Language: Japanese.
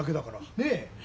ねえ？